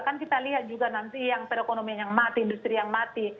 kan kita lihat juga nanti yang perekonomian yang mati industri yang mati